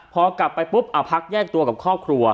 พอกลับไปปุ๊บพักแยกตัวกับครอบครัว